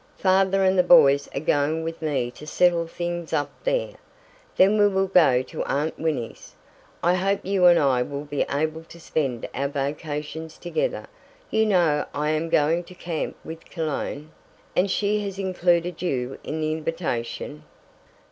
"Father and the boys are going with me to settle things up there. Then we will go to Aunt Winnie's. I hope you and I will be able to spend our vacations together. You know I am going to camp with Cologne, and she has included you in the invitation."